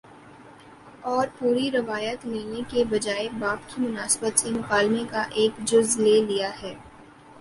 اور پوری روایت لینے کے بجائے باب کی مناسبت سے مکالمے کا ایک جز لے لیا ہے